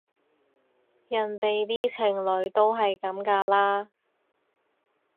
人哋啲情侶都係噉㗎啦